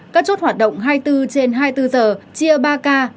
các chốt hoạt động hai mươi bốn trên hai mươi bốn giờ chia ba k